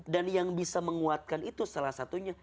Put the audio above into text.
dan yang bisa menguatkan itu salah satunya